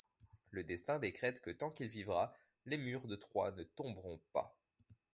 Le Destin décrète que tant qu'il vivra, les murs de Troie ne tomberont pas.